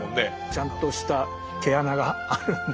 ちゃんとした「毛穴」がある本なんで。